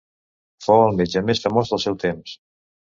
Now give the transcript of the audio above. Fou el metge més famós del seu temps.